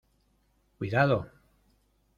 ¡Cuidado!